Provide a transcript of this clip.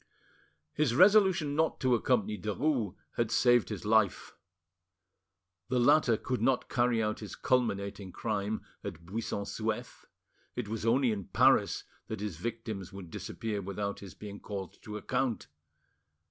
His resolution not to accompany Derues had saved his life. The latter could not carry out his culminating crime at Buisson Souef; it was only in Paris that his victims would disappear without his being called to account.